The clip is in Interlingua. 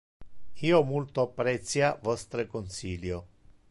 Io multo apprecia vostre consilio.